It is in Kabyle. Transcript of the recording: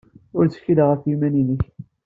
Ur ttkelliɣ ɣef yiman-nnek.